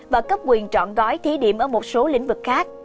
và cấp quyền trọn gói thí điểm ở một số lĩnh vực khác